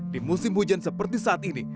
di musim hujan seperti saat ini